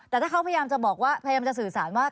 แต่ถ้าเขาพยายามจะบอกว่าพยายามจะสื่อสารว่า